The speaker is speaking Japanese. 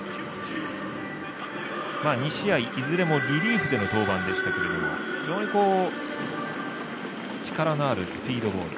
２試合いずれもリリーフでの登板でしたけれども非常に力のあるスピードボール